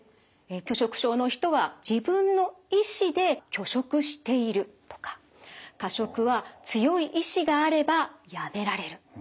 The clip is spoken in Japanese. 拒食症の人は「自分の意思で拒食している」とか「過食は強い意志があればやめられる」